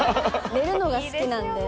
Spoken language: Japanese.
寝るのが好きなんで。